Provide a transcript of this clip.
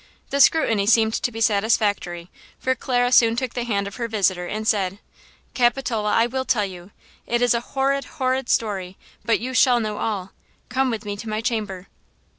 The scrutiny seemed to be satisfactory for Clara soon took the hand of her visitor and said: "Capitola, I will tell you. It is a horrid, horrid story, but you shall know all. Come with me to my chamber."